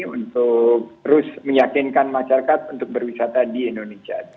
untuk terus meyakinkan masyarakat untuk berwisata di indonesia